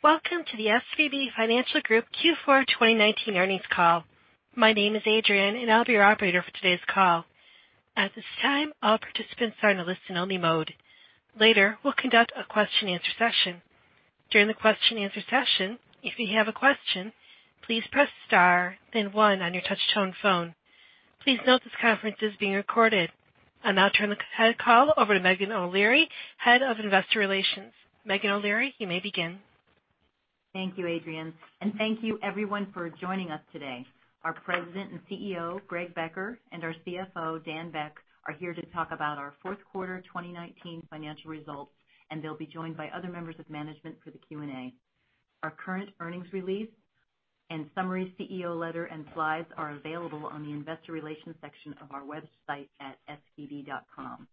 Welcome to the SVB Financial Group Q4 2019 earnings call. My name is Adrian, and I'll be your operator for today's call. At this time, all participants are in a listen-only mode. Later, we'll conduct a question answer session. During the question answer session, if you have a question, please press star then one on your touch-tone phone. Please note this conference is being recorded. I'll now turn the call over to Meghan O'Leary, Head of Investor Relations. Meghan O'Leary, you may begin. Thank you, Adrian. Thank you everyone for joining us today. Our President and CEO, Greg Becker, and our CFO, Dan Beck, are here to talk about our fourth quarter 2019 financial results, and they'll be joined by other members of management for the Q&A. Our current earnings release and summary CEO letter and slides are available on the investor relations section of our website at svb.com.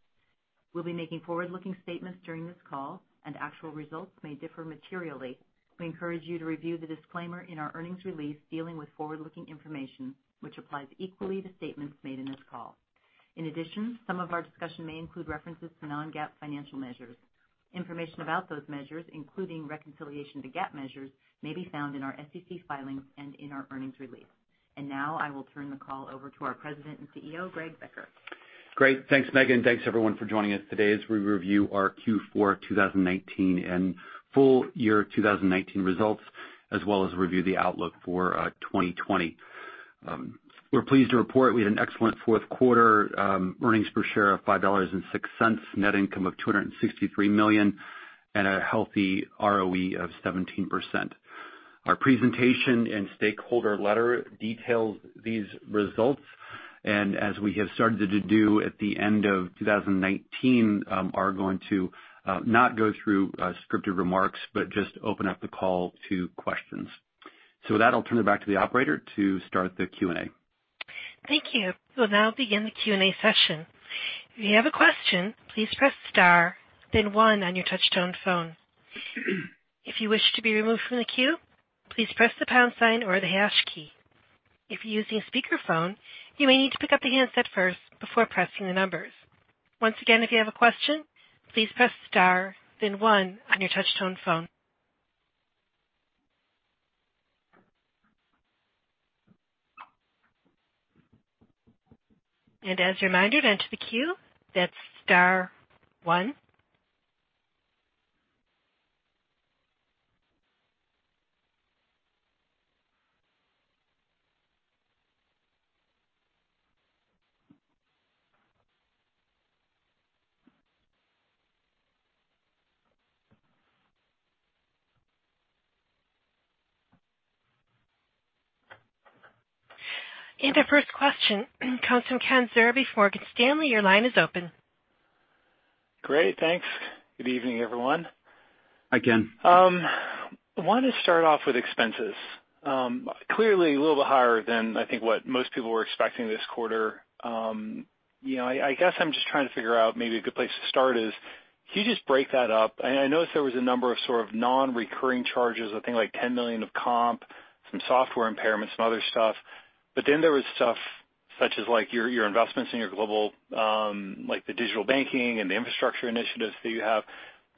We'll be making forward-looking statements during this call, and actual results may differ materially. We encourage you to review the disclaimer in our earnings release dealing with forward-looking information, which applies equally to statements made in this call. In addition, some of our discussion may include references to non-GAAP financial measures. Information about those measures, including reconciliation to GAAP measures, may be found in our SEC filings and in our earnings release. Now I will turn the call over to our President and CEO, Greg Becker. Great. Thanks, Meghan. Thanks everyone for joining us today as we review our Q4 2019 and full year 2019 results, as well as review the outlook for 2020. We're pleased to report we had an excellent fourth quarter earnings per share of $5.06, net income of $263 million, and a healthy ROE of 17%. Our presentation and stakeholder letter details these results, as we have started to do at the end of 2019, are going to not go through scripted remarks, but just open up the call to questions. With that, I'll turn it back to the operator to start the Q&A. Thank you. We'll now begin the Q&A session. If you have a question, please press star then one on your touch-tone phone. If you wish to be removed from the queue, please press the pound sign or the hash key. If you're using a speakerphone, you may need to pick up the handset first before pressing the numbers. Once again, if you have a question, please press star then one on your touch-tone phone. As a reminder to enter the queue, that's star one. Our first question comes from Ken Zerbe, Morgan Stanley. Your line is open. Great. Thanks. Good evening, everyone. Hi, Ken. I want to start off with expenses. Clearly a little bit higher than I think what most people were expecting this quarter. I guess I'm just trying to figure out maybe a good place to start is, can you just break that up? I noticed there was a number of sort of non-recurring charges, I think like $10 million of comp, some software impairment, some other stuff. There was stuff such as your investments in your global, like the digital banking and the infrastructure initiatives that you have.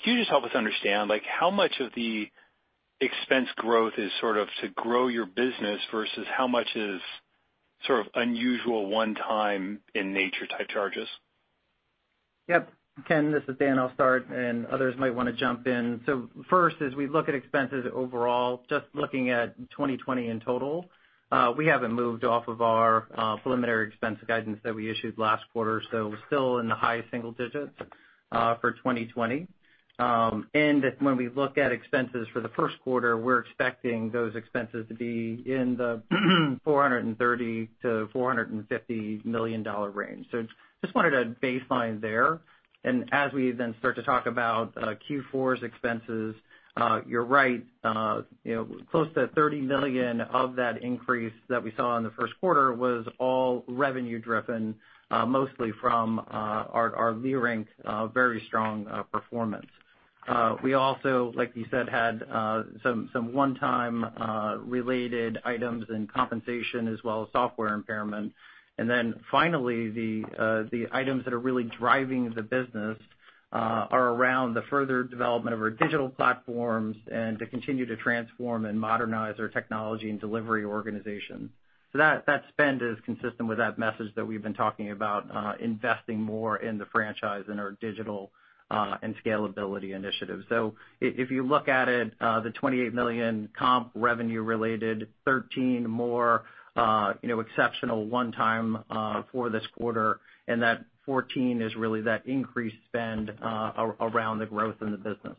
Can you just help us understand how much of the expense growth is sort of to grow your business versus how much is sort of unusual one time in nature type charges? Yep. Ken, this is Dan. I'll start, and others might want to jump in. First, as we look at expenses overall, just looking at 2020 in total, we haven't moved off of our preliminary expense guidance that we issued last quarter, still in the high single digits for 2020. When we look at expenses for the first quarter, we're expecting those expenses to be in the $430 million-$450 million range. Just wanted a baseline there. As we then start to talk about Q4's expenses, you're right. Close to $30 million of that increase that we saw in the first quarter was all revenue driven, mostly from our SVB Leerink very strong performance. We also, like you said, had some one-time related items in compensation as well as software impairment. Finally, the items that are really driving the business are around the further development of our digital platforms and to continue to transform and modernize our technology and delivery organization. That spend is consistent with that message that we've been talking about, investing more in the franchise in our digital and scalability initiatives. If you look at it, the $28 million comp revenue related 13 more exceptional one-time for this quarter, and that 14 is really that increased spend around the growth in the business.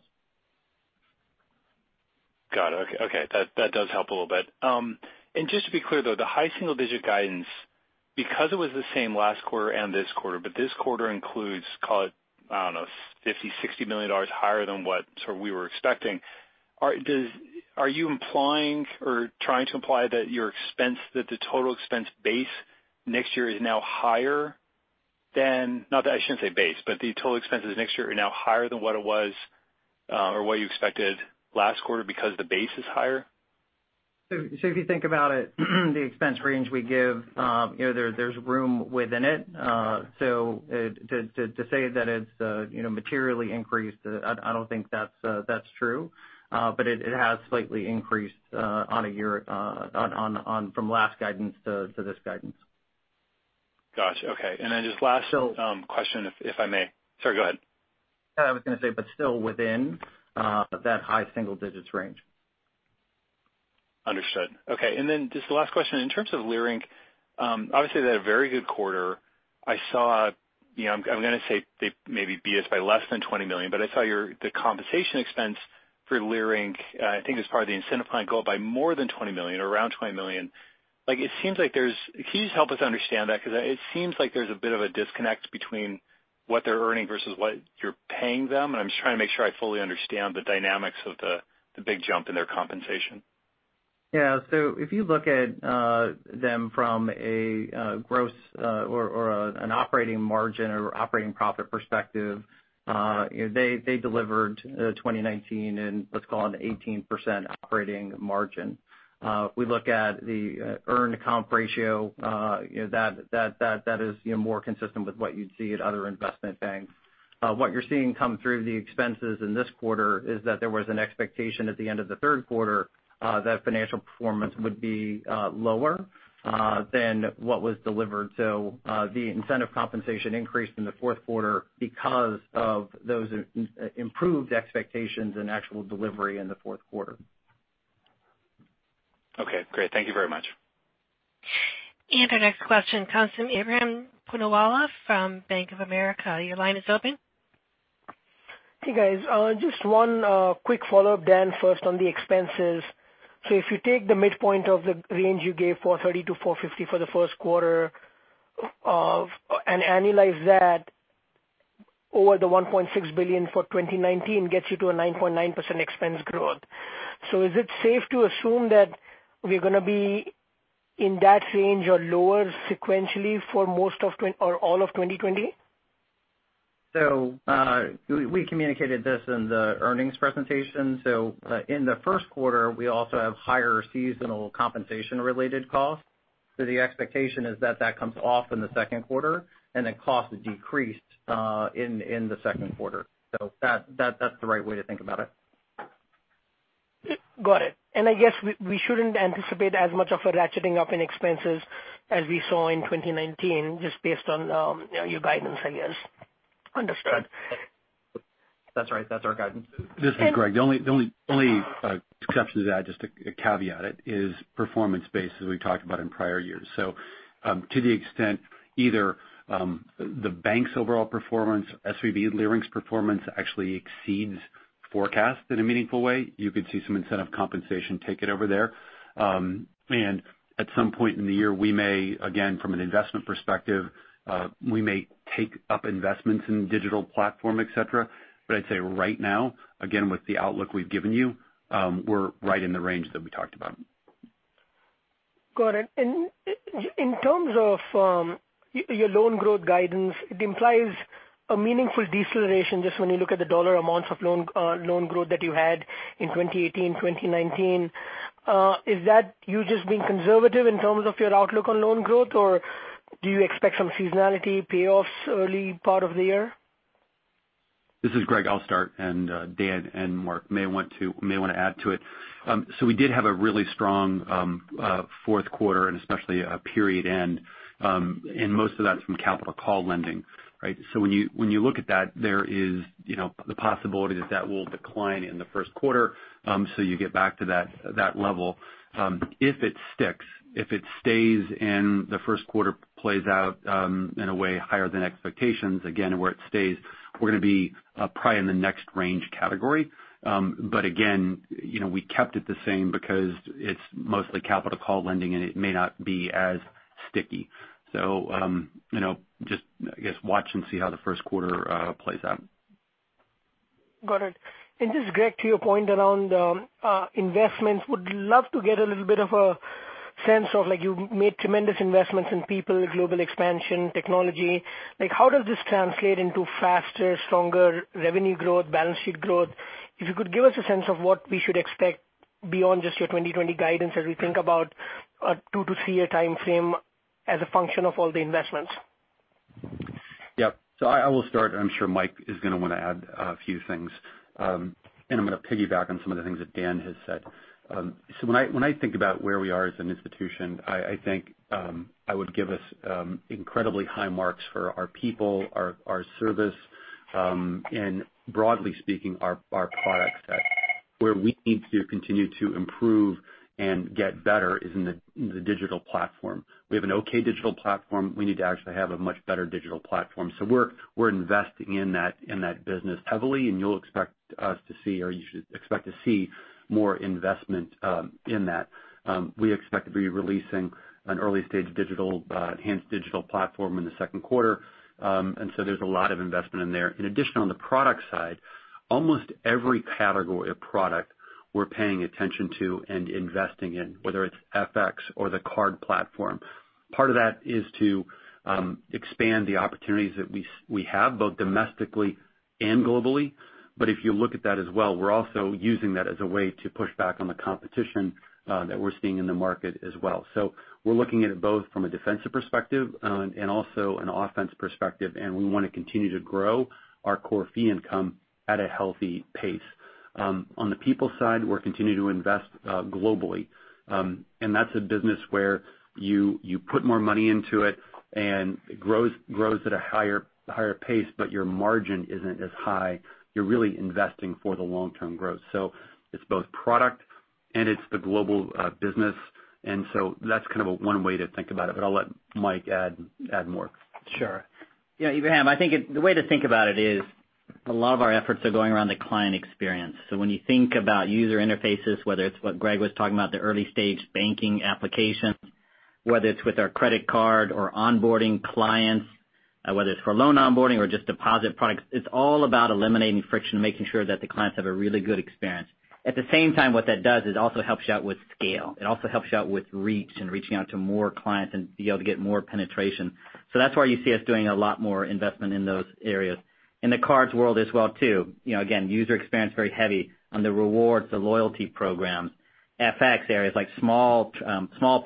Got it. Okay. That does help a little bit. Just to be clear, though, the high single-digit guidance, because it was the same last quarter and this quarter, but this quarter includes, call it, I don't know, $50, $60 million higher than what sort of we were expecting. Are you implying or trying to imply that the total expense base next year is now higher than I shouldn't say base, but the total expenses next year are now higher than what it was, or what you expected last quarter because the base is higher? If you think about it, the expense range we give, there's room within it. To say that it's materially increased, I don't think that's true. It has slightly increased from last guidance to this guidance. Got you. Okay, just last question, if I may. Sorry, go ahead. I was going to say, but still within that high single digits range. Understood. Okay, just the last question. In terms of Leerink, obviously they had a very good quarter. I'm going to say they maybe beat us by less than $20 million, but I saw the compensation expense for Leerink, I think it was part of the incentive plan, go up by more than $20 million or around $20 million. Can you just help us understand that? It seems like there's a bit of a disconnect between what they're earning versus what you're paying them, and I'm just trying to make sure I fully understand the dynamics of the big jump in their compensation. If you look at them from a gross or an operating margin or operating profit perspective, they delivered 2019 in, let's call it, an 18% operating margin. We look at the earn-out ratio, that is more consistent with what you'd see at other investment banks. What you're seeing come through the expenses in this quarter is that there was an expectation at the end of the third quarter that financial performance would be lower than what was delivered. The incentive compensation increased in the fourth quarter because of those improved expectations and actual delivery in the fourth quarter. Okay, great. Thank you very much. Our next question comes from Ebrahim Poonawala from Bank of America. Your line is open. Hey, guys. Just one quick follow-up, Dan, first on the expenses. If you take the midpoint of the range you gave, $430 million-$450 million for the first quarter, and annualize that over the $1.6 billion for 2019 gets you to a 9.9% expense growth. Is it safe to assume that we're going to be in that range or lower sequentially for most or all of 2020? We communicated this in the earnings presentation. In the first quarter, we also have higher seasonal compensation-related costs. The expectation is that that comes off in the second quarter and then costs decreased in the second quarter. That's the right way to think about it. Got it. I guess we shouldn't anticipate as much of a ratcheting up in expenses as we saw in 2019, just based on your guidance, I guess. Understood. That's right. That's our guidance. This is Greg. The only exception to that, just a caveat, is performance-based, as we've talked about in prior years. To the extent either the bank's overall performance, SVB Leerink's performance actually exceeds forecasts in a meaningful way, you could see some incentive compensation take it over there. At some point in the year, we may, again, from an investment perspective, we may take up investments in digital platform, et cetera. I'd say right now, again, with the outlook we've given you, we're right in the range that we talked about. Got it. In terms of your loan growth guidance, it implies a meaningful deceleration, just when you look at the dollar amounts of loan growth that you had in 2018, 2019. Is that you just being conservative in terms of your outlook on loan growth, or do you expect some seasonality payoffs early part of the year? This is Greg. I'll start, and Dan and Mark may want to add to it. We did have a really strong fourth quarter and especially a period end, and most of that's from capital call lending. Right? When you look at that, there is the possibility that that will decline in the first quarter, so you get back to that level. If it sticks, if it stays and the first quarter plays out in a way higher than expectations, again, where it stays, we're going to be probably in the next range category. Again, we kept it the same because it's mostly capital call lending, and it may not be as sticky. Just, I guess, watch and see how the first quarter plays out. Got it. Just, Greg, to your point around investments, would love to get a little bit of a sense of like you made tremendous investments in people, global expansion, technology. How does this translate into faster, stronger revenue growth, balance sheet growth? If you could give us a sense of what we should expect beyond just your 2020 guidance as we think about a two to three-year time frame as a function of all the investments. Yep. I will start. I'm sure Mike is going to want to add a few things. I'm going to piggyback on some of the things that Dan has said. When I think about where we are as an institution, I think I would give us incredibly high marks for our people, our service, and broadly speaking, our product set. Where we need to continue to improve and get better is in the digital platform. We have an okay digital platform. We need to actually have a much better digital platform. We're investing in that business heavily, and you'll expect us to see, or you should expect to see more investment in that. We expect to be releasing an early-stage enhanced digital platform in the second quarter, there's a lot of investment in there. In addition, on the product side, almost every category of product we're paying attention to and investing in, whether it's FX or the card platform. Part of that is to expand the opportunities that we have, both domestically and globally. If you look at that as well, we're also using that as a way to push back on the competition that we're seeing in the market as well. We're looking at it both from a defensive perspective and also an offense perspective, and we want to continue to grow our core fee income at a healthy pace. On the people side, we're continuing to invest globally. That's a business where you put more money into it and it grows at a higher pace, but your margin isn't as high. You're really investing for the long-term growth. It's both product and it's the global business. That's kind of one way to think about it, but I'll let Mike add more. Sure. Yeah, Ebrahim, I think the way to think about it is a lot of our efforts are going around the client experience. When you think about user interfaces, whether it's what Greg was talking about, the early-stage banking applications, whether it's with our credit card or onboarding clients, whether it's for loan onboarding or just deposit products, it's all about eliminating friction and making sure that the clients have a really good experience. At the same time, what that does is also helps you out with scale. It also helps you out with reach and reaching out to more clients and be able to get more penetration. That's why you see us doing a lot more investment in those areas. In the cards world as well too, again, user experience very heavy on the rewards, the loyalty program. FX areas like small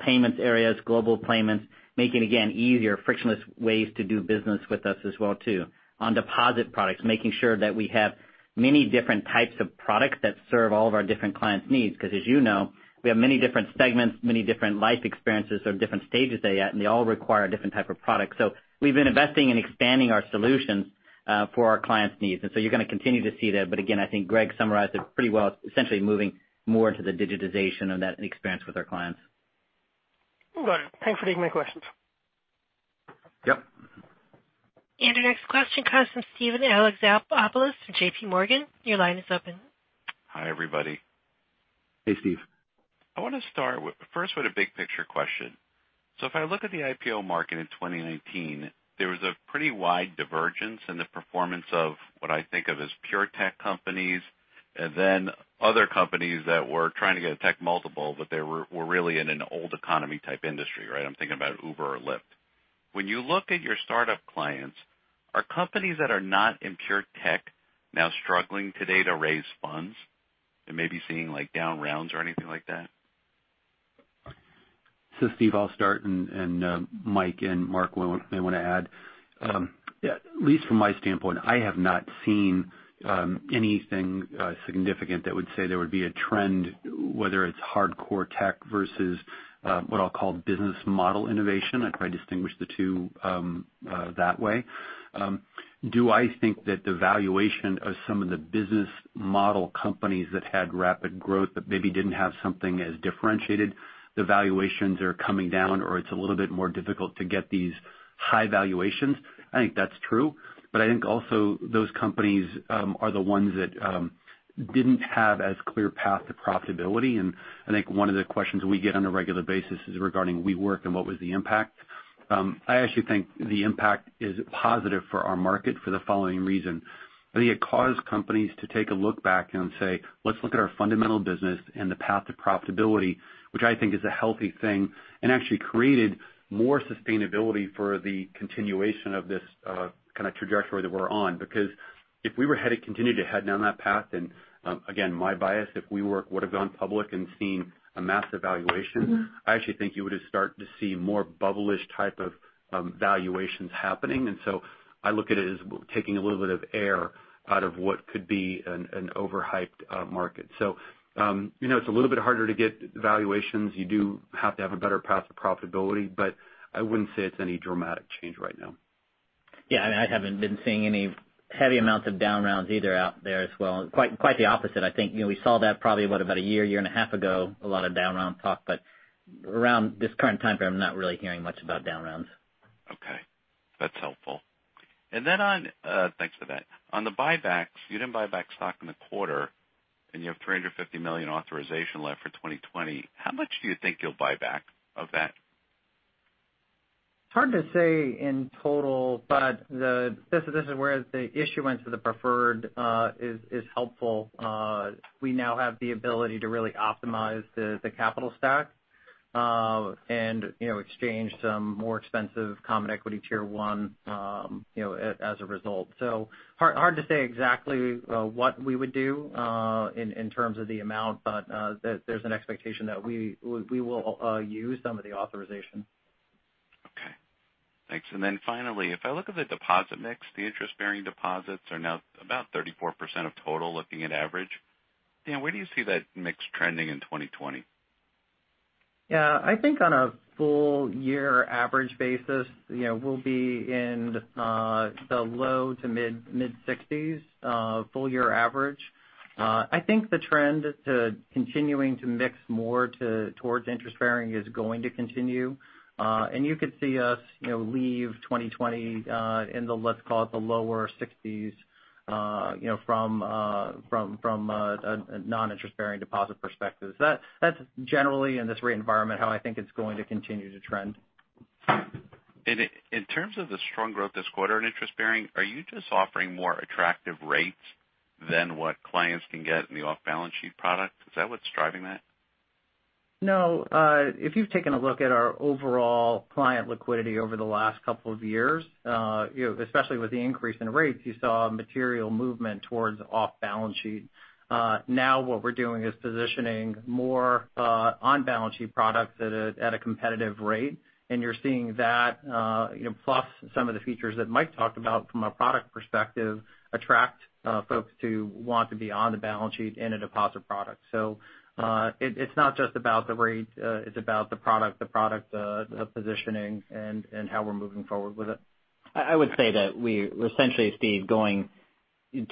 payments areas, global payments, making, again, easier, frictionless ways to do business with us as well too. On deposit products, making sure that we have many different types of products that serve all of our different clients' needs, because as you know, we have many different segments, many different life experiences or different stages they're at, and they all require a different type of product. We've been investing in expanding our solutions for our clients' needs, you're going to continue to see that. Again, I think Greg summarized it pretty well, essentially moving more into the digitization and that experience with our clients. Got it. Thanks for taking my questions. Yep. Our next question comes from Steven Alexopoulos from JPMorgan. Your line is open. Hi, everybody. Hey, Steve. I want to start first with a big picture question. If I look at the IPO market in 2019, there was a pretty wide divergence in the performance of what I think of as pure tech companies, and then other companies that were trying to get a tech multiple, but they were really in an old economy type industry, right? I'm thinking about Uber or Lyft. When you look at your startup clients, are companies that are not in pure tech now struggling today to raise funds and maybe seeing down rounds or anything like that? Steve, I'll start and Mike and Mark may want to add. At least from my standpoint, I have not seen anything significant that would say there would be a trend, whether it's hardcore tech versus what I'll call business model innovation. I try to distinguish the two that way. Do I think that the valuation of some of the business model companies that had rapid growth but maybe didn't have something as differentiated, the valuations are coming down or it's a little bit more difficult to get these high valuations? I think that's true. I think also those companies are the ones that didn't have as clear path to profitability. I think one of the questions we get on a regular basis is regarding WeWork and what was the impact. I actually think the impact is positive for our market for the following reason. I think it caused companies to take a look back and say, "Let's look at our fundamental business and the path to profitability," which I think is a healthy thing, and actually created more sustainability for the continuation of this kind of trajectory that we're on. Because if we were headed, continued to head down that path, and again, my bias, if WeWork would've gone public and seen a massive valuation, I actually think you would have started to see more bubblish type of valuations happening. I look at it as taking a little bit of air out of what could be an overhyped market. It's a little bit harder to get valuations. You do have to have a better path to profitability, but I wouldn't say it's any dramatic change right now. Yeah, I haven't been seeing any heavy amounts of down rounds either out there as well. Quite the opposite. I think we saw that probably, what, about a year and a half ago, a lot of down round talk. Around this current time frame, I'm not really hearing much about down rounds. Okay. That's helpful. Thanks for that. On the buybacks, you didn't buy back stock in the quarter, and you have $350 million authorization left for 2020. How much do you think you'll buy back of that? It's hard to say in total, but this is where the issuance of the preferred is helpful. We now have the ability to really optimize the capital stack and exchange some more expensive common equity tier one as a result. Hard to say exactly what we would do in terms of the amount, but there's an expectation that we will use some of the authorization. Okay. Thanks. Finally, if I look at the deposit mix, the interest-bearing deposits are now about 34% of total looking at average. Dan, where do you see that mix trending in 2020? Yeah. I think on a full year average basis, we'll be in the low to mid 60s full year average. I think the trend to continuing to mix more towards interest-bearing is going to continue. You could see us leave 2020 in the, let's call it the lower 60s from a non-interest-bearing deposit perspective. That's generally in this rate environment how I think it's going to continue to trend. In terms of the strong growth this quarter in interest bearing, are you just offering more attractive rates than what clients can get in the off-balance sheet product? Is that what's driving that? No. If you've taken a look at our overall client liquidity over the last couple of years, especially with the increase in rates, you saw a material movement towards off balance sheet. What we're doing is positioning more on-balance sheet products at a competitive rate. You're seeing that, plus some of the features that Mike talked about from a product perspective, attract folks who want to be on the balance sheet in a deposit product. It's not just about the rates, it's about the product, the positioning, and how we're moving forward with it. I would say that we're essentially, Steve, going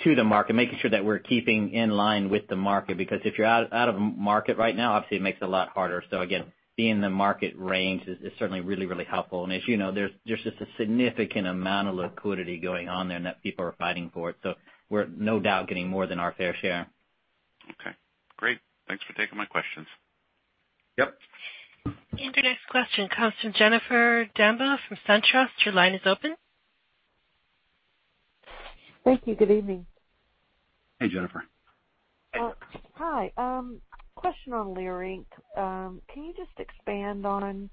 to the market, making sure that we're keeping in line with the market. If you're out of market right now, obviously it makes it a lot harder. Again, being in the market range is certainly really helpful. As you know, there's just a significant amount of liquidity going on there and that people are fighting for it. We're no doubt getting more than our fair share. Okay, great. Thanks for taking my questions. Yep. Your next question comes from Jennifer Demba from SunTrust. Your line is open. Thank you. Good evening. Hey, Jennifer. Hi. Question on Leerink. Can you just expand on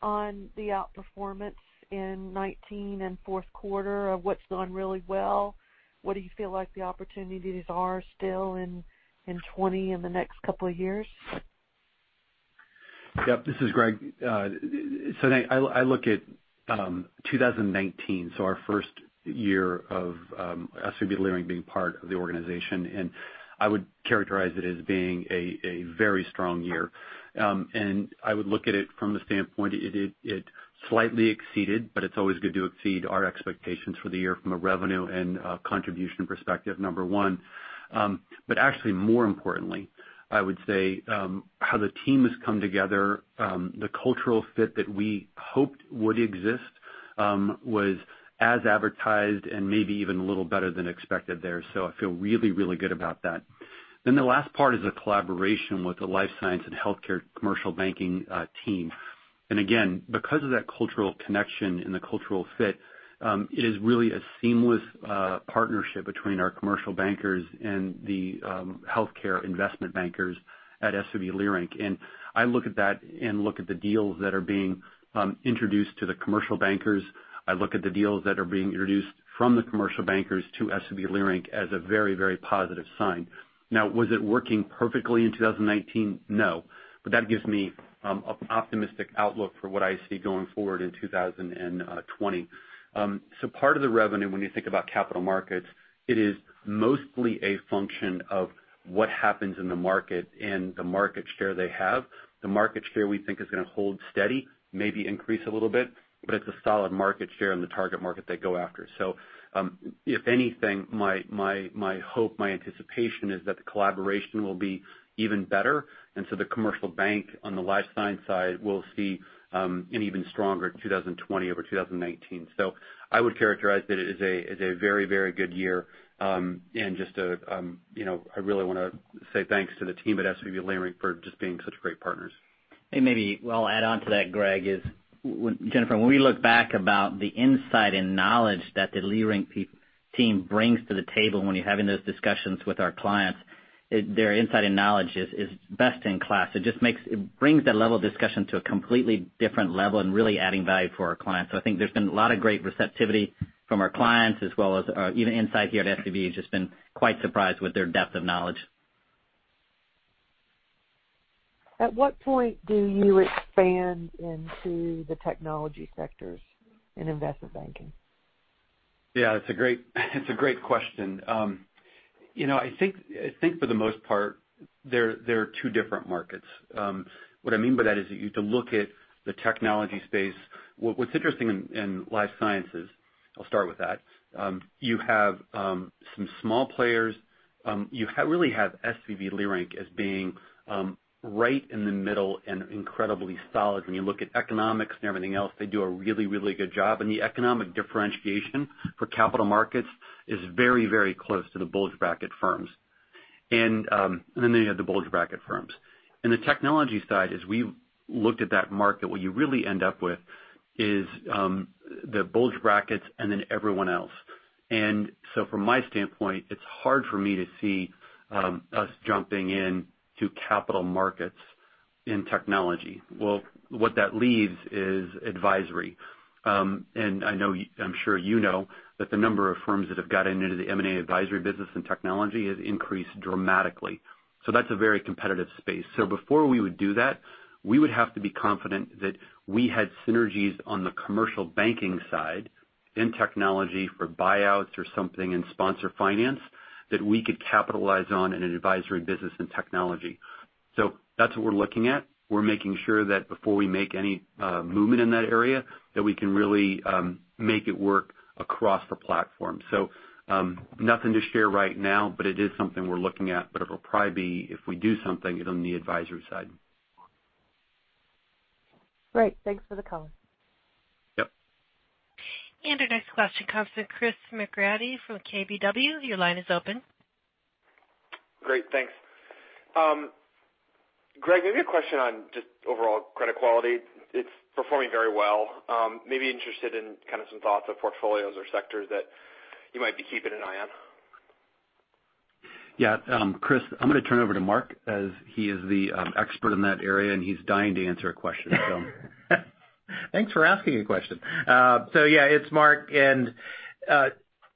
the outperformance in 2019 and fourth quarter of what's gone really well? What do you feel like the opportunities are still in 2020 and the next couple of years? Yep. This is Greg. I look at 2019, so our first year of SVB Leerink being part of the organization, and I would characterize it as being a very strong year. I would look at it from the standpoint, it slightly exceeded, but it's always good to exceed our expectations for the year from a revenue and contribution perspective, number one. Actually more importantly, I would say how the team has come together, the cultural fit that we hoped would exist was as advertised and maybe even a little better than expected there. I feel really good about that. The last part is the collaboration with the life science and healthcare commercial banking team. Again, because of that cultural connection and the cultural fit, it is really a seamless partnership between our commercial bankers and the healthcare investment bankers at SVB Leerink. I look at that and look at the deals that are being introduced to the commercial bankers. I look at the deals that are being introduced from the commercial bankers to SVB Leerink as a very positive sign. Was it working perfectly in 2019? No. That gives me an optimistic outlook for what I see going forward in 2020. Part of the revenue, when you think about capital markets, it is mostly a function of what happens in the market and the market share they have. The market share we think is going to hold steady, maybe increase a little bit, but it's a solid market share in the target market they go after. If anything, my hope, my anticipation is that the collaboration will be even better, the commercial bank on the life science side will see an even stronger 2020 over 2019. I would characterize it as a very good year. I really want to say thanks to the team at SVB Leerink for just being such great partners. Maybe I'll add on to that, Greg, is when, Jennifer, when we look back about the insight and knowledge that the SVB Leerink team brings to the table when you're having those discussions with our clients, their insight and knowledge is best in class. It brings that level of discussion to a completely different level and really adding value for our clients. I think there's been a lot of great receptivity from our clients as well as even inside here at SVB, just been quite surprised with their depth of knowledge. At what point do you expand into the technology sectors in investment banking? Yeah, it's a great question. I think for the most part, they're two different markets. What I mean by that is if you look at the technology space, what's interesting in life sciences, I'll start with that. You have some small players. You really have SVB Leerink as being right in the middle and incredibly solid. When you look at economics and everything else, they do a really good job. The economic differentiation for capital markets is very close to the bulge bracket firms. You have the bulge bracket firms. In the technology side as we looked at that market, what you really end up with is the bulge brackets and then everyone else. From my standpoint, it's hard for me to see us jumping in to capital markets in technology. Well, what that leaves is advisory. I'm sure you know that the number of firms that have gotten into the M&A advisory business and technology has increased dramatically. That's a very competitive space. Before we would do that, we would have to be confident that we had synergies on the commercial banking side in technology for buyouts or something in sponsor finance that we could capitalize on in an advisory business in technology. That's what we're looking at. We're making sure that before we make any movement in that area, that we can really make it work across the platform. Nothing to share right now, but it is something we're looking at, but it will probably be if we do something on the advisory side. Great. Thanks for the color. Yep. Our next question comes from Chris McGratty from KBW. Your line is open. Great. Thanks. Greg, maybe a question on just overall credit quality. It's performing very well. Maybe interested in kind of some thoughts of portfolios or sectors that you might be keeping an eye on. Yeah. Chris, I'm going to turn it over to Mark, as he is the expert in that area, and he's dying to answer a question, so. Yeah, it's Mark, and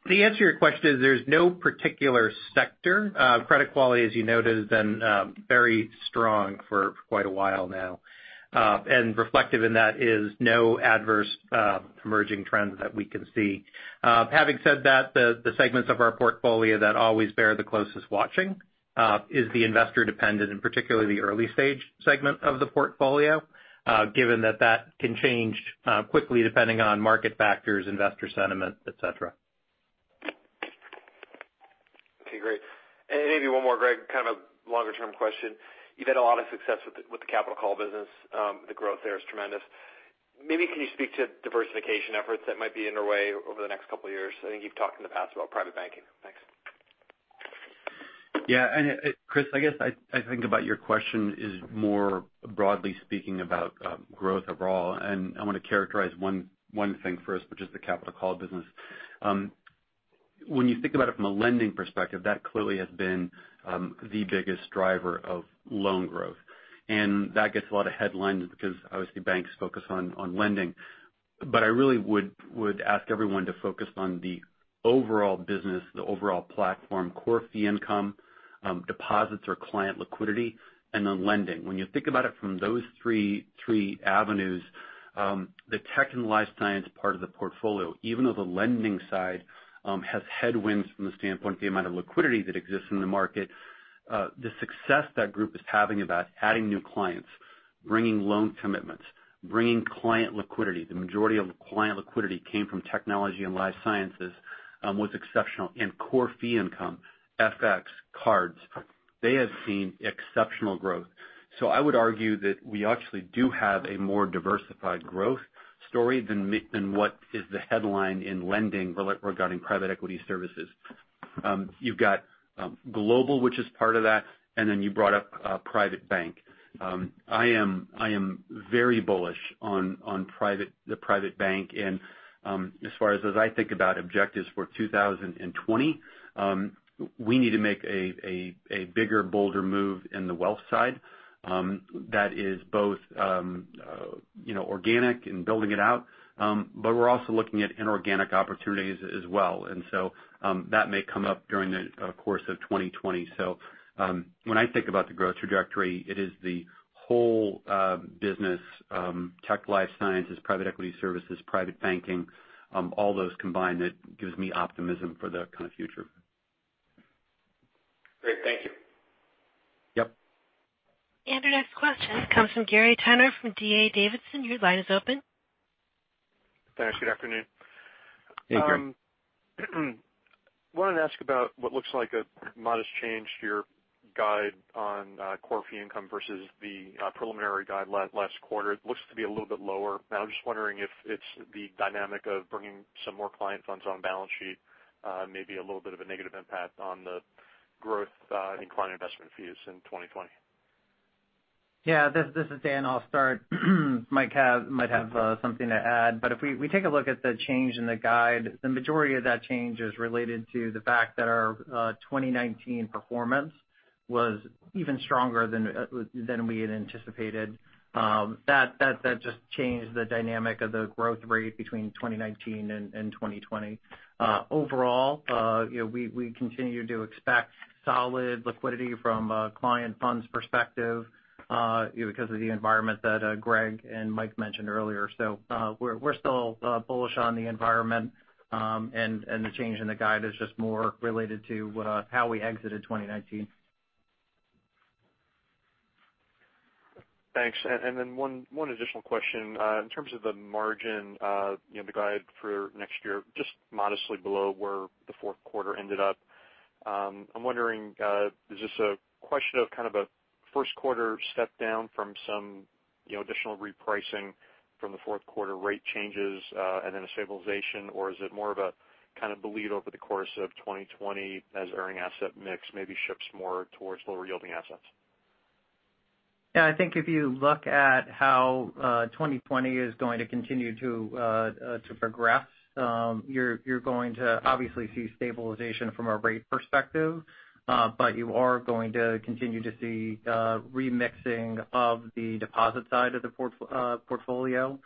the answer to your question is there's no particular sector. Credit quality, as you noted, has been very strong for quite a while now. Reflective in that is no adverse emerging trends that we can see. Having said that, the segments of our portfolio that always bear the closest watching is the investor-dependent and particularly the early-stage segment of the portfolio, given that that can change quickly depending on market factors, investor sentiment, et cetera. Okay, great. Maybe one more, Greg, kind of a longer-term question. You've had a lot of success with the capital call business. The growth there is tremendous. Maybe can you speak to diversification efforts that might be underway over the next couple of years? I think you've talked in the past about private banking. Thanks. Yeah, Chris, I guess I think about your question is more broadly speaking about growth overall, and I want to characterize one thing first, which is the capital call business. When you think about it from a lending perspective, that clearly has been the biggest driver of loan growth. That gets a lot of headlines because obviously banks focus on lending. I really would ask everyone to focus on the overall business, the overall platform, core fee income, deposits or client liquidity, and then lending. When you think about it from those three avenues, the tech and life science part of the portfolio, even though the lending side has headwinds from the standpoint of the amount of liquidity that exists in the market, the success that group is having about adding new clients, bringing loan commitments, bringing client liquidity, the majority of the client liquidity came from technology and life sciences was exceptional. Core fee income, FX, cards, they have seen exceptional growth. I would argue that we actually do have a more diversified growth story than what is the headline in lending regarding private equity services. You've got global, which is part of that, then you brought up private bank. I am very bullish on the Private Bank. As far as I think about objectives for 2020, we need to make a bigger, bolder move in the wealth side that is both organic in building it out. We're also looking at inorganic opportunities as well. That may come up during the course of 2020. When I think about the growth trajectory, it is the whole business, tech, life sciences, Private Equity Services, Private Banking, all those combined that gives me optimism for the kind of future. Great. Thank you. Yep. Our next question comes from Gary Tenner from D.A. Davidson. Your line is open. Thanks. Good afternoon. Hey, Gary. Wanted to ask about what looks like a modest change to your guide on core fee income versus the preliminary guide last quarter. It looks to be a little bit lower. I'm just wondering if it's the dynamic of bringing some more client funds on balance sheet may be a little bit of a negative impact on the growth in client investment fees in 2020. This is Dan. I'll start. Mike might have something to add. If we take a look at the change in the guide, the majority of that change is related to the fact that our 2019 performance was even stronger than we had anticipated. That just changed the dynamic of the growth rate between 2019 and 2020. Overall, we continue to expect solid liquidity from a client funds perspective because of the environment that Greg and Mike mentioned earlier. We're still bullish on the environment, and the change in the guide is just more related to how we exited 2019. Thanks. One additional question. In terms of the margin, the guide for next year, just modestly below where the fourth quarter ended up. I'm wondering, is this a question of kind of a first quarter step down from some additional repricing from the fourth quarter rate changes, and then a stabilization? Is it more of a kind of bleed over the course of 2020 as earning asset mix maybe shifts more towards lower yielding assets? Yeah, I think if you look at how 2020 is going to continue to progress, you're going to obviously see stabilization from a rate perspective. You are going to continue to see remixing of the deposit side of the portfolio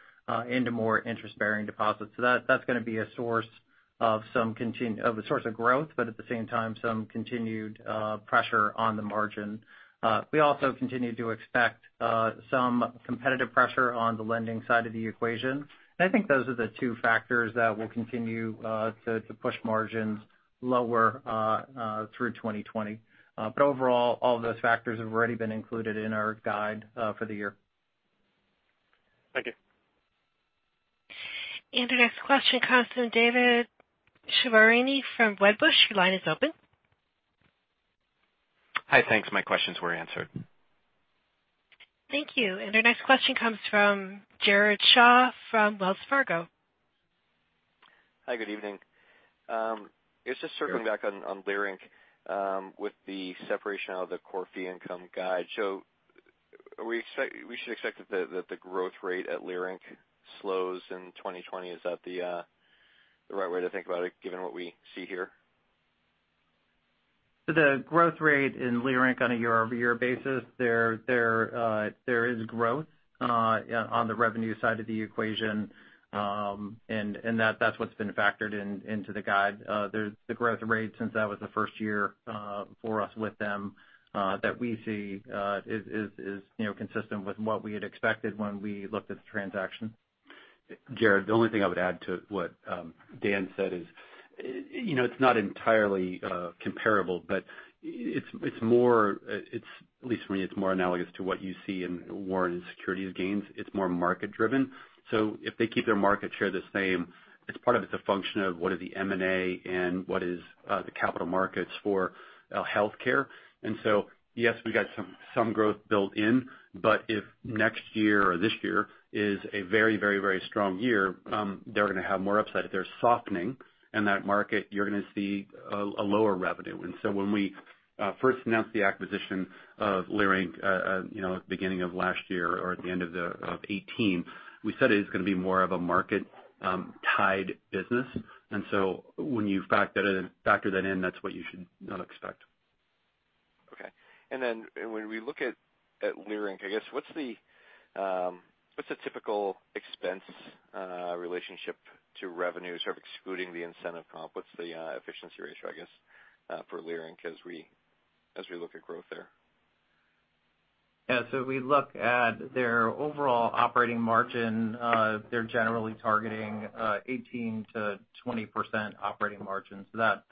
into more interest-bearing deposits. That's going to be a source of growth, but at the same time, some continued pressure on the margin. We also continue to expect some competitive pressure on the lending side of the equation. I think those are the two factors that will continue to push margins lower through 2020. Overall, all of those factors have already been included in our guide for the year. Thank you. Our next question comes from David Chiaverini from Wedbush. Your line is open. Hi. Thanks. My questions were answered. Thank you. Our next question comes from Jared Shaw from Wells Fargo. Hi, good evening. Just circling back on SVB Leerink with the separation of the core fee income guide. We should expect that the growth rate at SVB Leerink slows in 2020. Is that the right way to think about it, given what we see here? The growth rate in SVB Leerink on a year-over-year basis, there is growth on the revenue side of the equation. That's what's been factored into the guide. The growth rate since that was the first year for us with them, that we see is consistent with what we had expected when we looked at the transaction. Jared, the only thing I would add to what Dan said is, it's not entirely comparable, but at least for me, it's more analogous to what you see in warrant securities gains. It's more market-driven. If they keep their market share the same, it's a function of what are the M&A and what is the capital markets for healthcare. Yes, we got some growth built in, but if next year or this year is a very strong year, they're going to have more upside. If they're softening in that market, you're going to see a lower revenue. When we first announced the acquisition of SVB Leerink, at the beginning of last year or at the end of 2018, we said it is going to be more of a market-tied business. When you factor that in, that's what you should now expect. Okay. When we look at SVB Leerink, I guess, what's the typical expense relationship to revenues? Sort of excluding the incentive comp, what's the efficiency ratio, I guess, for SVB Leerink as we look at growth there? Yeah. We look at their overall operating margin. They're generally targeting 18%-20% operating margins. That's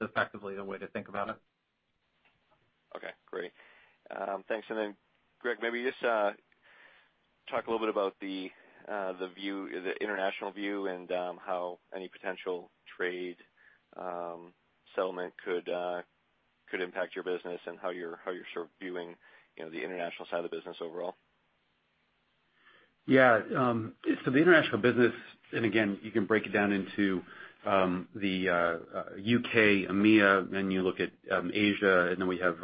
effectively the way to think about it. Okay, great. Thanks. Greg, maybe just talk a little bit about the international view and how any potential trade settlement could impact your business and how you're sort of viewing the international side of the business overall. Yeah. The international business, and again, you can break it down into the U.K., EMEA, then you look at Asia, and then we have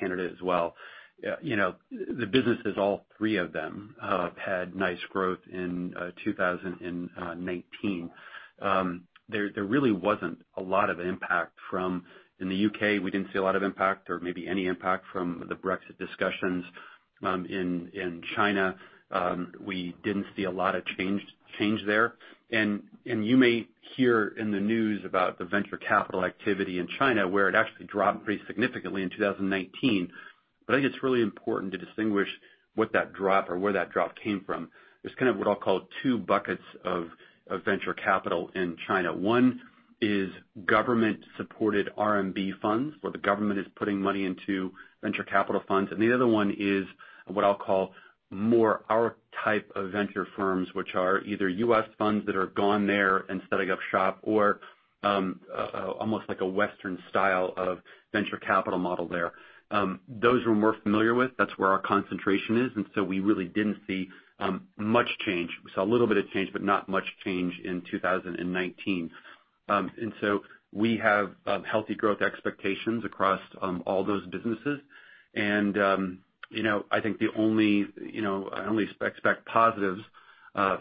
Canada as well. The businesses, all three of them, had nice growth in 2019. There really wasn't a lot of impact. In the U.K., we didn't see a lot of impact or maybe any impact from the Brexit discussions. In China, we didn't see a lot of change there. You may hear in the news about the venture capital activity in China, where it actually dropped pretty significantly in 2019. I think it's really important to distinguish what that drop or where that drop came from. There's what I'll call two buckets of venture capital in China. One is government-supported RMB funds, where the government is putting money into venture capital funds. The other one is what I'll call more our type of venture firms, which are either U.S. funds that are gone there and setting up shop or almost like a Western style of venture capital model there. Those we're more familiar with. That's where our concentration is, and so we really didn't see much change. We saw a little bit of change, but not much change in 2019. We have healthy growth expectations across all those businesses. I only expect positives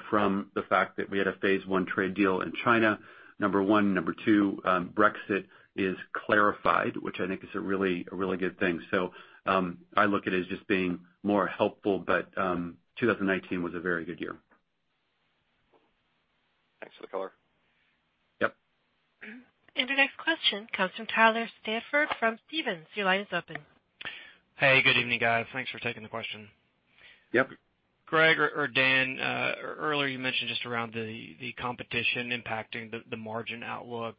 from the fact that we had a phase one trade deal in China, number one. Number two, Brexit is clarified, which I think is a really good thing. I look at it as just being more helpful, but 2019 was a very good year. Thanks for the color. Yep. Your next question comes from Tyler Stafford from Stephens. Your line is open. Hey, good evening, guys. Thanks for taking the question. Yep. Greg or Dan, earlier you mentioned just around the competition impacting the margin outlook.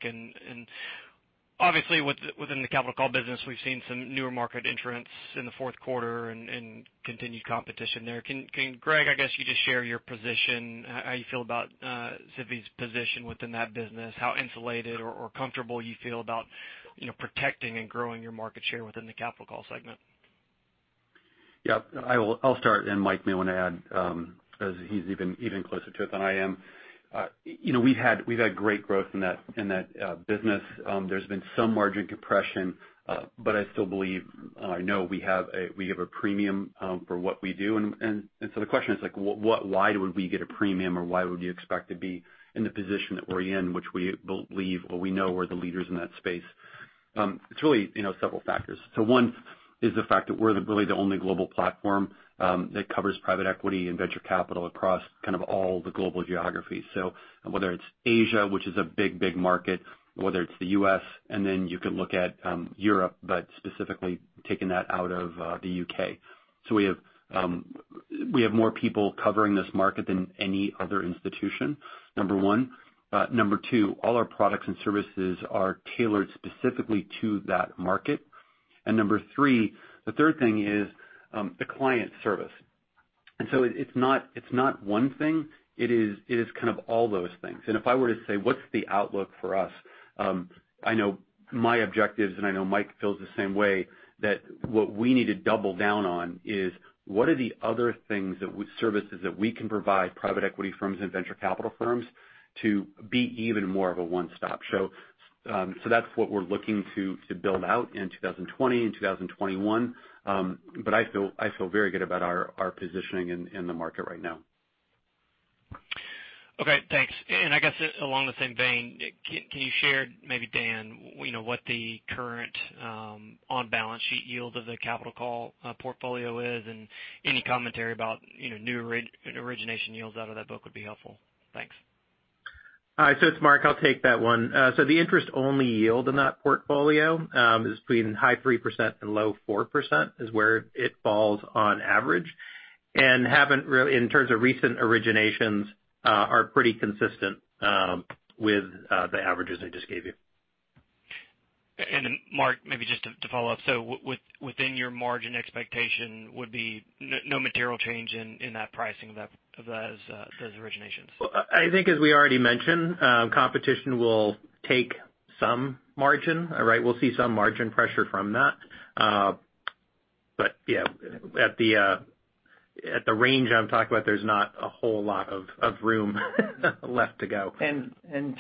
Obviously within the capital call business, we've seen some newer market entrants in the fourth quarter and continued competition there. Can Greg, I guess, you just share your position, how you feel about SVB's position within that business, how insulated or comfortable you feel about protecting and growing your market share within the capital call segment? I'll start and Mike may want to add, as he's even closer to it than I am. We've had great growth in that business. There's been some margin compression, but I still believe, I know we have a premium for what we do. The question is like, why would we get a premium or why would you expect to be in the position that we're in, which we believe or we know we're the leaders in that space? It's really several factors. One is the fact that we're really the only global platform that covers private equity and venture capital across kind of all the global geographies. Whether it's Asia, which is a big market, whether it's the U.S., and then you can look at Europe, but specifically taking that out of the U.K. We have more people covering this market than any other institution, number one. Number two, all our products and services are tailored specifically to that market. Number three, the third thing is the client service. It's not one thing. It is kind of all those things. If I were to say, what's the outlook for us? I know my objectives, and I know Mike feels the same way, that what we need to double down on is what are the other services that we can provide private equity firms and venture capital firms to be even more of a one-stop shop? That's what we're looking to build out in 2020 and 2021. I feel very good about our positioning in the market right now. Okay, thanks. I guess along the same vein, can you share, maybe Dan, what the current on-balance sheet yield of the capital call portfolio is, and any commentary about new origination yields out of that book would be helpful. Thanks. All right. It's Mark, I'll take that one. The interest only yield in that portfolio is between high 3% and low 4%, is where it falls on average, and in terms of recent originations, are pretty consistent with the averages I just gave you. Mark, maybe just to follow up, within your margin expectation would be no material change in that pricing of those originations? I think as we already mentioned, competition will take some margin, right? We'll see some margin pressure from that. Yeah, at the range I'm talking about, there's not a whole lot of room left to go.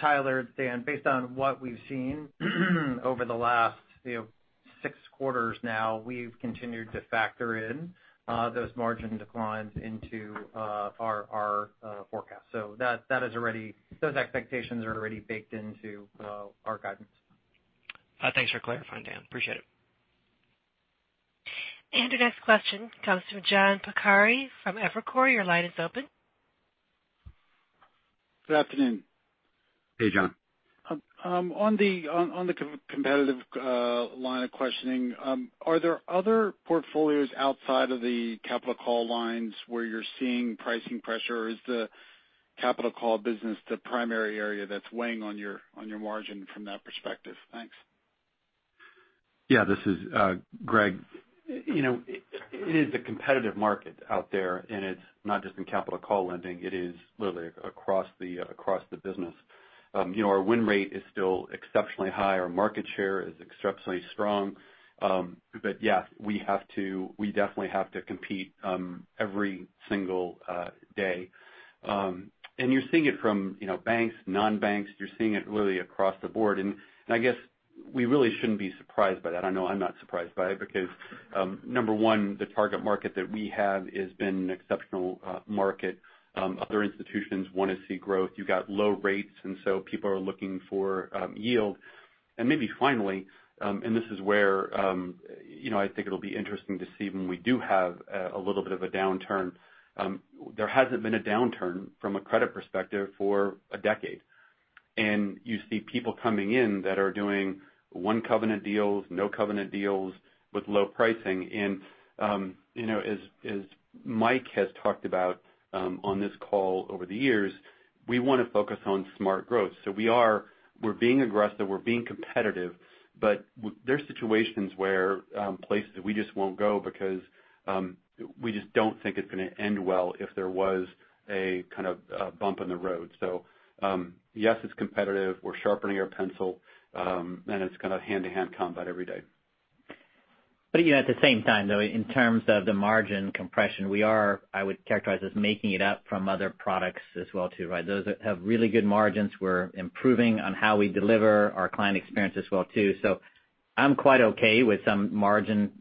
Tyler, Dan, based on what we've seen over the last six quarters now, we've continued to factor in those margin declines into our forecast. Those expectations are already baked into our guidance. Thanks for clarifying, Dan. Appreciate it. The next question comes from John Pancari from Evercore. Your line is open. Good afternoon. Hey, John. On the competitive line of questioning, are there other portfolios outside of the capital call lines where you're seeing pricing pressure? Is the capital call business the primary area that's weighing on your margin from that perspective? Thanks. Yeah, this is Greg. It is a competitive market out there, and it's not just in capital call lending, it is literally across the business. Our win rate is still exceptionally high. Our market share is exceptionally strong. Yeah, we definitely have to compete every single day. You're seeing it from banks, non-banks. You're seeing it really across the board. I guess we really shouldn't be surprised by that. I know I'm not surprised by it because number one, the target market that we have has been an exceptional market. Other institutions want to see growth. You've got low rates, people are looking for yield. Maybe finally, and this is where I think it'll be interesting to see when we do have a little bit of a downturn. There hasn't been a downturn from a credit perspective for a decade. You see people coming in that are doing one covenant deals, no covenant deals with low pricing. As Mike has talked about on this call over the years, we want to focus on smart growth. We're being aggressive, we're being competitive, but there are situations where places we just won't go because we just don't think it's going to end well if there was a kind of a bump in the road. Yes, it's competitive. We're sharpening our pencil. It's kind of hand-to-hand combat every day. At the same time, though, in terms of the margin compression, we are, I would characterize as making it up from other products as well too, right. Those that have really good margins, we're improving on how we deliver our client experience as well too. I'm quite okay with some margin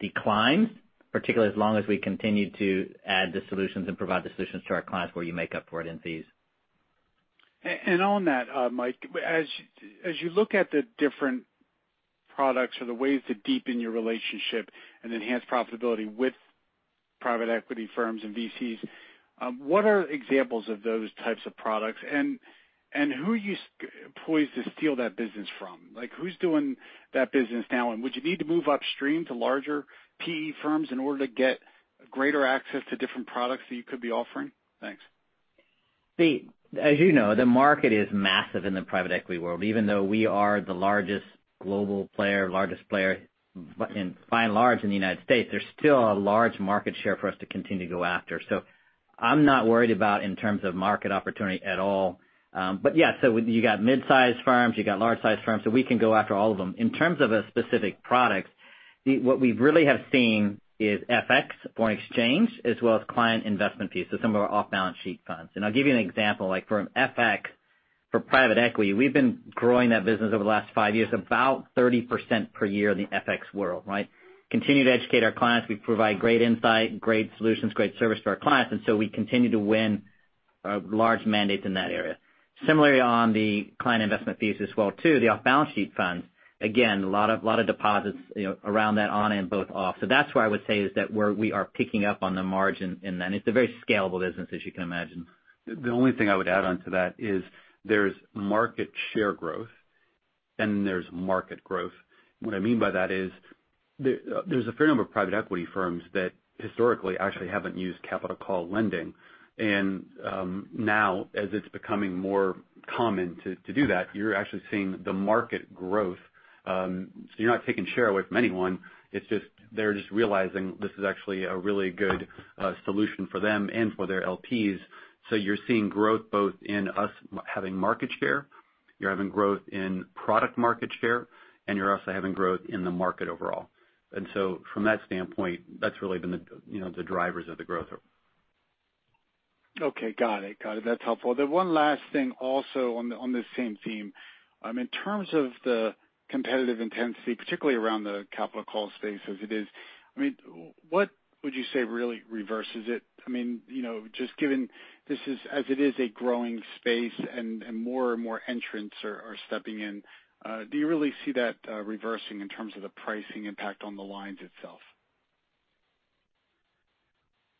declines, particularly as long as we continue to add the solutions and provide the solutions to our clients where you make up for it in fees. On that, Mike, as you look at the different products or the ways to deepen your relationship and enhance profitability with private equity firms and VCs, what are examples of those types of products and who are you poised to steal that business from? Who's doing that business now? Would you need to move upstream to larger PE firms in order to get greater access to different products that you could be offering? Thanks. As you know, the market is massive in the private equity world. Even though we are the largest global player, largest player by and large in the U.S., there's still a large market share for us to continue to go after. I'm not worried about in terms of market opportunity at all. Yeah, you got mid-size firms, you got large size firms. We can go after all of them. In terms of a specific product, what we really have seen is FX, foreign exchange, as well as client investment fees. Some of our off-balance sheet funds. I'll give you an example. Like for an FX for private equity, we've been growing that business over the last five years about 30% per year in the FX world, right? Continue to educate our clients. We provide great insight, great solutions, great service to our clients. We continue to win large mandates in that area. Similarly on the client investment fees as well too, the off-balance sheet funds, again, a lot of deposits around that on and both off. That's where I would say is that where we are picking up on the margin. It's a very scalable business as you can imagine. The only thing I would add onto that is there's market share growth and there's market growth. What I mean by that is there's a fair number of private equity firms that historically actually haven't used capital call lending. Now as it's becoming more common to do that, you're actually seeing the market growth. You're not taking share away from anyone. It's just they're just realizing this is actually a really good solution for them and for their LPs. You're seeing growth both in us having market share, you're having growth in product market share, and you're also having growth in the market overall. From that standpoint, that's really been the drivers of the growth. Okay. Got it. That's helpful. The one last thing also on this same theme. In terms of the competitive intensity, particularly around the capital call space as it is, what would you say really reverses it? Just given this is, as it is, a growing space and more and more entrants are stepping in, do you really see that reversing in terms of the pricing impact on the lines itself?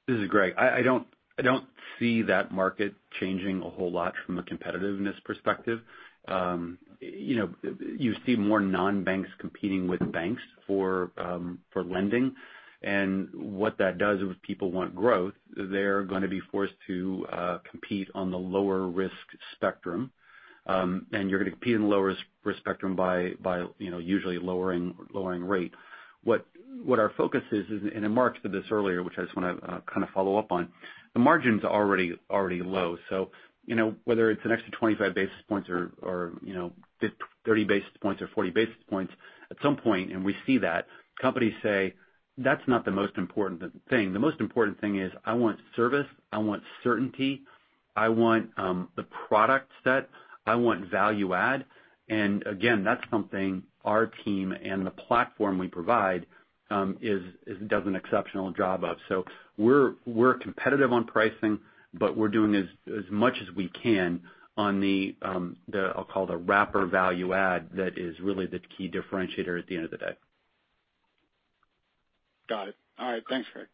This is Greg. I don't see that market changing a whole lot from a competitiveness perspective. You see more non-banks competing with banks for lending. What that does is people want growth, they're going to be forced to compete on the lower risk spectrum. You're going to compete in the lower risk spectrum by usually lowering rate. What our focus is, and Mark said this earlier, which I just want to kind of follow up on, the margin's already low. Whether it's an extra 25 basis points or 30 basis points or 40 basis points, at some point, and we see that, companies say, "That's not the most important thing. The most important thing is I want service, I want certainty, I want the product set, I want value add." Again, that's something our team and the platform we provide does an exceptional job of. We're competitive on pricing, but we're doing as much as we can on the, I'll call it the wrapper value add that is really the key differentiator at the end of the day. Got it. All right. Thanks, Greg.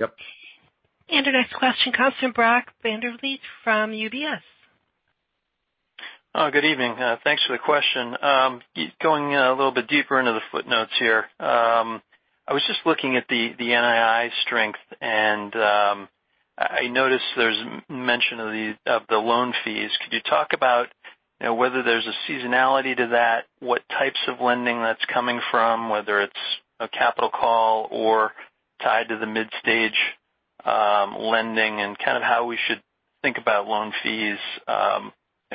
Yep. Our next question comes from Brock Vandervliet from UBS. Oh, good evening. Thanks for the question. Going a little bit deeper into the footnotes here. I was just looking at the NII strength, and I noticed there's mention of the loan fees. Could you talk about whether there's a seasonality to that, what types of lending that's coming from, whether it's a capital call or tied to the mid-stage lending, and kind of how we should think about loan fees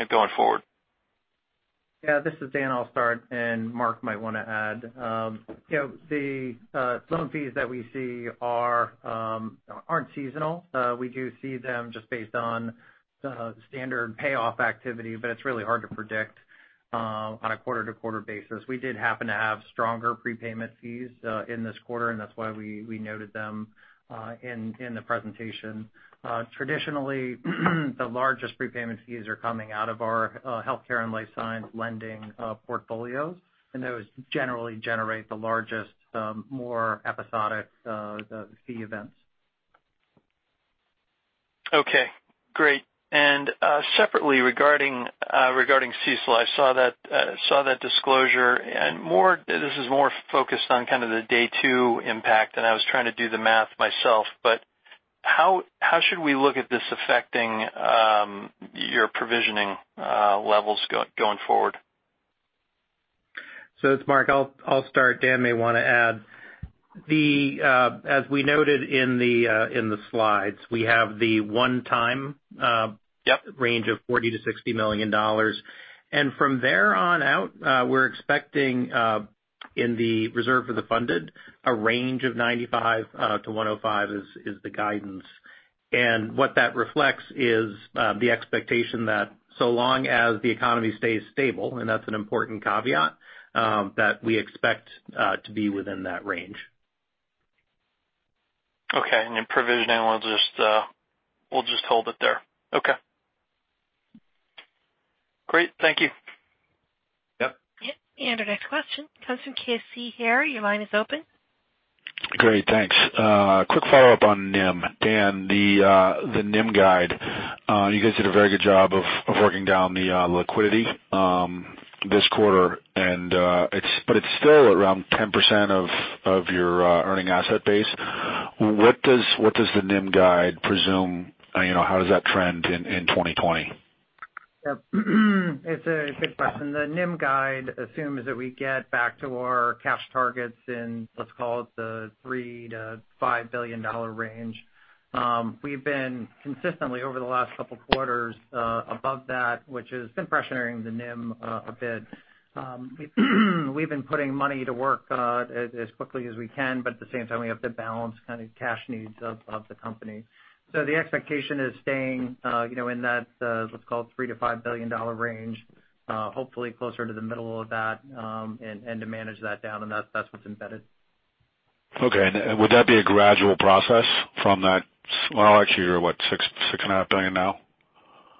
going forward? This is Dan, I'll start, and Mark might want to add. The loan fees that we see aren't seasonal. We do see them just based on standard payoff activity, it's really hard to predict on a quarter-to-quarter basis. We did happen to have stronger prepayment fees in this quarter, that's why we noted them in the presentation. Traditionally, the largest prepayment fees are coming out of our healthcare and life science lending portfolios, those generally generate the largest, more episodic fee events. Okay. Great. Separately, regarding CECL, I saw that disclosure. This is more focused on kind of the day two impact. I was trying to do the math myself, but how should we look at this affecting your provisioning levels going forward? It's Mark. I'll start. Dan may want to add. As we noted in the slides, we have the one time. Yep Range of $40 million-$60 million. From there on out, we're expecting, in the reserve for the funded, a range of 95%-105% is the guidance. What that reflects is the expectation that so long as the economy stays stable, and that's an important caveat, that we expect to be within that range. Okay. Then provisioning, we'll just hold it there. Okay. Great. Thank you. Yep. Yeah. Our next question comes from Casey Haire. Your line is open. Great, thanks. A quick follow-up on NIM. Dan, the NIM guide. You guys did a very good job of working down the liquidity this quarter, but it's still around 10% of your earning asset base. What does the NIM guide presume? How does that trend in 2020? Yep. It's a good question. The NIM guide assumes that we get back to our cash targets in, let's call it, the $3 billion-$5 billion range. We've been consistently, over the last couple of quarters, above that, which has been pressuring the NIM a bit. We've been putting money to work as quickly as we can, but at the same time, we have to balance kind of cash needs of the company. The expectation is staying in that, let's call it, $3 billion-$5 billion range. Hopefully closer to the middle of that, and to manage that down, and that's what's embedded. Okay. Would that be a gradual process from that, well, actually you're what? $6 and a half billion now?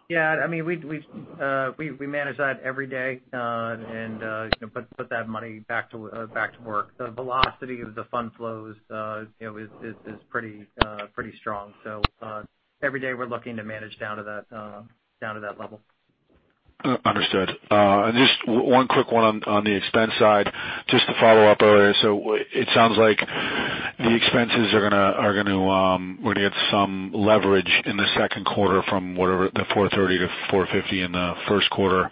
Yeah, we manage that every day, and put that money back to work. The velocity of the fund flow is pretty strong. Every day, we're looking to manage down to that level. Understood. Just one quick one on the expense side, just to follow up earlier. It sounds like the expenses are going to get some leverage in the second quarter from whatever the $430-$450 in the first quarter.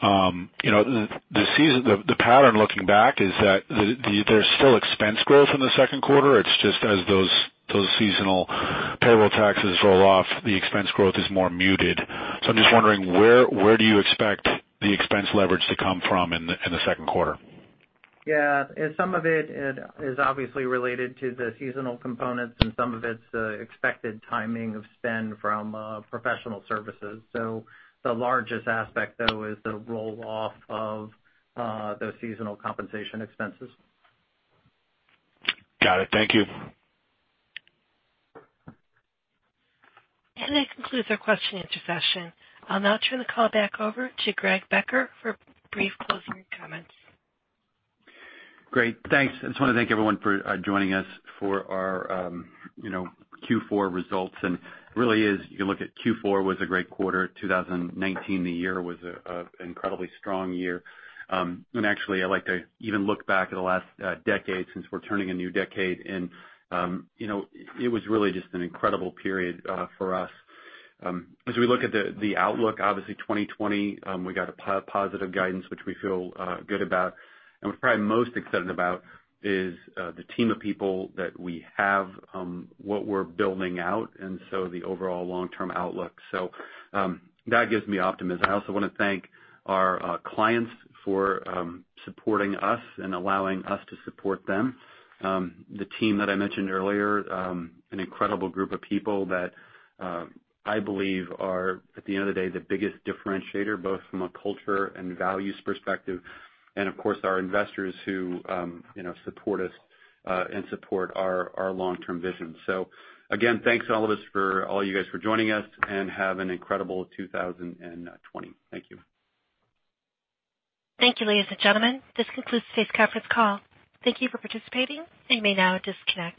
The pattern looking back is that there's still expense growth in the second quarter. It's just as those seasonal payroll taxes roll off, the expense growth is more muted. I'm just wondering where do you expect the expense leverage to come from in the second quarter? Yeah. Some of it is obviously related to the seasonal components and some of it's expected timing of spend from professional services. The largest aspect, though, is the roll-off of those seasonal compensation expenses. Got it. Thank you. That concludes our question and answer session. I'll now turn the call back over to Greg Becker for brief closing comments. Great. Thanks. I just want to thank everyone for joining us for our Q4 results. It really is, you can look at Q4 was a great quarter. 2019, the year, was an incredibly strong year. Actually, I like to even look back at the last decade since we're turning a new decade, and it was really just an incredible period for us. As we look at the outlook, obviously 2020, we got a positive guidance, which we feel good about. We're probably most excited about is the team of people that we have, what we're building out, and so the overall long-term outlook. That gives me optimism. I also want to thank our clients for supporting us and allowing us to support them. The team that I mentioned earlier, an incredible group of people that I believe are, at the end of the day, the biggest differentiator, both from a culture and values perspective, and of course our investors who support us and support our long-term vision. Again, thanks all of us for all you guys for joining us, and have an incredible 2020. Thank you. Thank you, ladies and gentlemen. This concludes today's conference call. Thank you for participating. You may now disconnect.